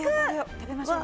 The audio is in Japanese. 食べましょ。